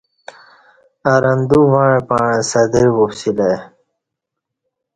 ارندو وݩع پݩع سترہ وپسیلہ ای